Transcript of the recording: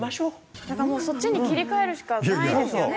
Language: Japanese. なんかもうそっちに切り替えるしかないですよね。